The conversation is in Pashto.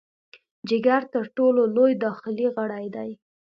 جګر تر ټولو لوی داخلي غړی دی.